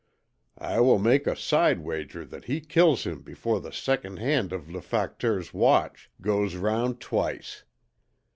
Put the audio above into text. I will make a side wager that he kills him before the second hand of LE FACTEUR'S watch, goes round twice.